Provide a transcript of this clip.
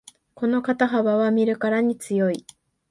この肩幅は見るからに強い